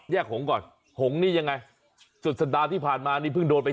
หงก่อนหงนี่ยังไงสุดสัปดาห์ที่ผ่านมานี่เพิ่งโดนไป